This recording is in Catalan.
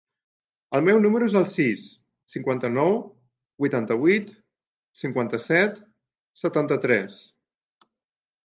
El meu número es el sis, cinquanta-nou, vuitanta-vuit, cinquanta-set, setanta-tres.